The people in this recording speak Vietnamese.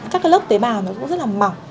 các lớp tế bào nó cũng rất là mỏng